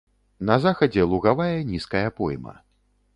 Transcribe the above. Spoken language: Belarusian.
На захадзе лугавая нізкая пойма.